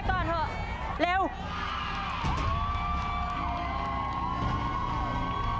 ได้หรือไม่ได้ครับ